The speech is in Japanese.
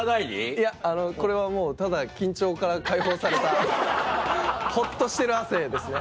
いやあのこれはもうただ緊張から解放されたほっとしてる汗ですね。